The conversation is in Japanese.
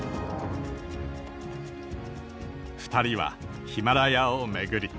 二人はヒマラヤを巡り